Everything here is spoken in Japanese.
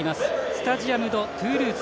スタジアム・ド・トゥールーズ。